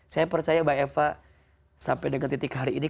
saya percaya mbak eva sampai dengan titik hari ini